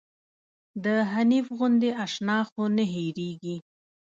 د حنيف غوندې اشنا خو نه هيريږي